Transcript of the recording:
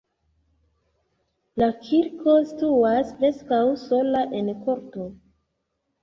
La kirko situas preskaŭ sola en korto.